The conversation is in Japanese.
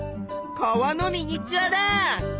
川のミニチュアだ！